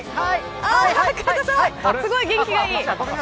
すごい元気がいい。